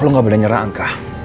kalo gak beda nyerah enggak